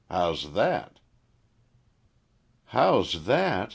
How's that?" "How's that?